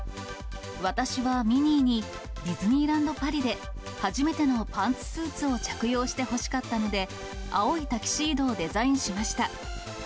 私はミニーにディズニーランド・パリで、初めてのパンツスーツを着用してほしかったので、青いタキシードをデザインしました。